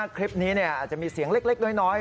คลิปนี้อาจจะมีเสียงเล็กน้อย